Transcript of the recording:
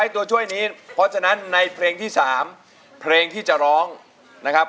ถึงยังไงก็ต้องรอนะครับ